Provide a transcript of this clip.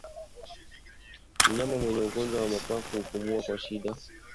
Mnyama mwenye ugonjwa wa mapafu hupumua kwa shida